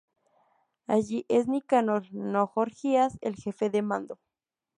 Allí, es Nicanor, no Gorgias, el jefe al mando.